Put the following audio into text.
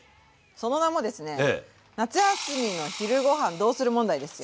その名もですね夏休みの昼ごはんどうする問題ですよ。